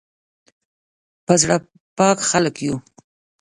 په زړه پاک خلک یو